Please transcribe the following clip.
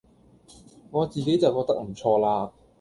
我自己就覺得唔錯啦